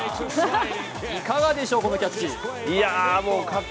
いかがでしょう、このキャッチ。